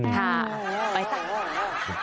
ไปสั่งหวาน